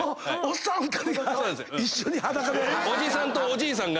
おっさん